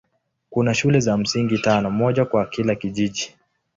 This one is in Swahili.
Kuna shule za msingi tano, moja kwa kila kijiji.